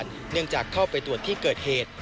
เนื่องจากเข้าไปตรวจที่เกิดเหตุ